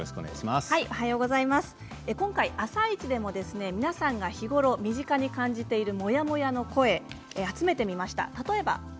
今回「あさイチ」でも皆さんが日頃、身近に感じているモヤモヤの声を集めてみました。